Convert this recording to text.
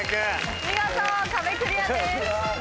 見事壁クリアです。